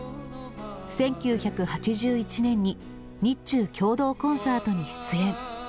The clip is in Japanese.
１９８１年に日中共同コンサートに出演。